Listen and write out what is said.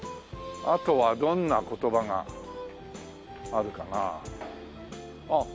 あとはどんな言葉があるかなあ。